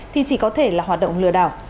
thì chỉ có thể là hoạt động lừa đảo